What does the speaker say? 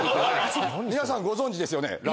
皆さんご存じですよね